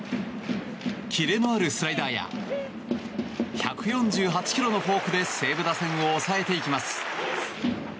キレのあるスライダーや１４８ｋｍのフォークで西武打線を抑えていきます。